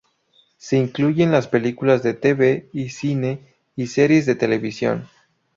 Se incluyen las películas de tv y cine y series de televisión.